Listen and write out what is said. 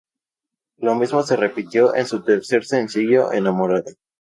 Lo mismo se repitió con su tercer sencillo "Enamorada".